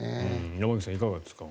山口さん、いかがですか。